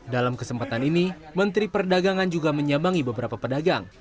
dalam kesempatan ini menteri perdagangan juga menyambangi beberapa pedagang